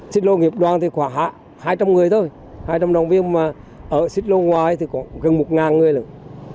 xích lô nghiệp đoàn thì khoảng hai trăm linh người thôi hai trăm linh đồng viên mà ở xích lô ngoài thì còn gần một người lần